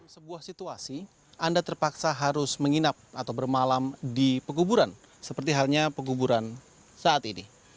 sebuah situasi anda terpaksa harus menginap atau bermalam di peguburan seperti halnya pekuburan saat ini